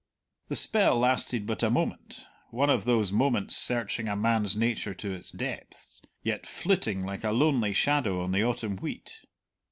The spell lasted but a moment, one of those moments searching a man's nature to its depths, yet flitting like a lonely shadow on the autumn wheat.